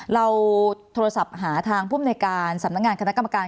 เราโทรศัพท์หาทางภูมิในการสำนักงานคณะกรรมการ